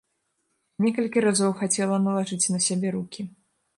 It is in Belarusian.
Некалькі разоў хацела налажыць на сябе рукі.